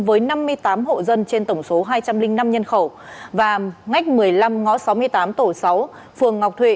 với năm mươi tám hộ dân trên tổng số hai trăm linh năm nhân khẩu và ngách một mươi năm ngõ sáu mươi tám tổ sáu phường ngọc thụy